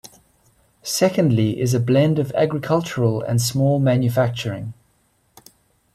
Secondly is a blend of agricultural and small manufacturing.